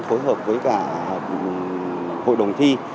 thối hợp với cả hội đồng thi